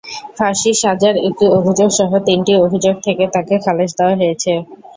ফাঁসির সাজার একটি অভিযোগসহ তিনটি অভিযোগ থেকে তাঁকে খালাস দেওয়া হয়েছে।